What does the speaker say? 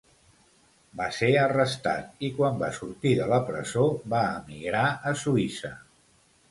Va ser arrestat i, quan va sortir de la presó, va emigrar a Suïssa.